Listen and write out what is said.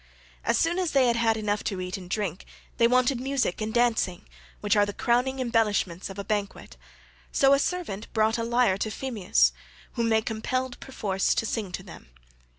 As soon as they had had enough to eat and drink they wanted music and dancing, which are the crowning embellishments of a banquet, so a servant brought a lyre to Phemius, whom they compelled perforce to sing to them.